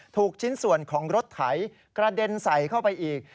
ชิ้นส่วนของรถไถกระเด็นใส่เข้าไปอีก